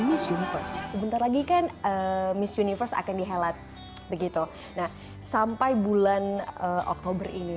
miss universe sebentar lagi kan miss universe akan dihelat begitu nah sampai bulan oktober ini